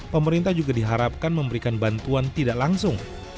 pemerintah juga diharapkan memberikan bantuan tidak langsung